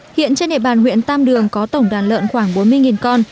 hiện trên hệ bản huyện tam đường có tổng đàn lợn khoảng bốn mươi con